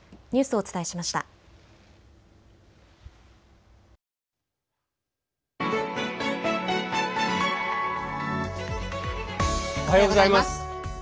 おはようございます。